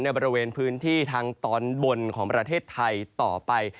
บริเวณพื้นที่ทางตอนบนของประเทศไทยต่อไป